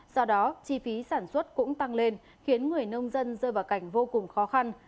do đó chi phí sản xuất cũng tăng lên khiến người nông dân rơi vào cảnh vô cùng khó khăn